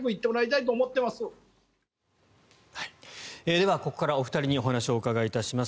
では、ここからお二人にお話をお伺いいたします。